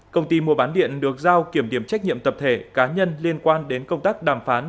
công ty mua bán điện được giao kiểm điểm trách nhiệm tập thể cá nhân liên quan đến công tác đàm phán